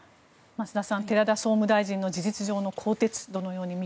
増田さん、寺田総務大臣の事実上の更迭